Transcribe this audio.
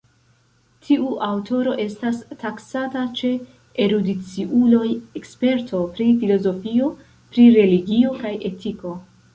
Tiu aŭtoro estas taksata, ĉe erudiciuloj, eksperto pri filozofio, pri religio kaj etiko.